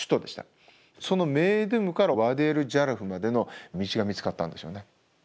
そのメイドゥムからワディ・エル＝ジャラフまでの道が見つかったんですよね。